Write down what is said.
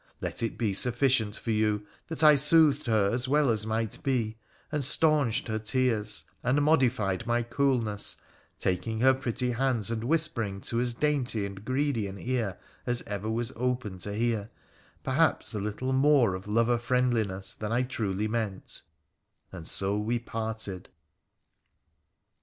Let it be sufficient for you that I soothed her as well as might be, and stanched her tears, and modified my coolness, taking her pretty hands and whispering to as dainty and greedy an ear as ever was opened to hear, perhaps, a little more of lover friendliness than I truly meant, and so we parted.